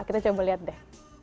kita coba lihat deh